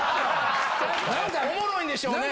おもろいんでしょうね？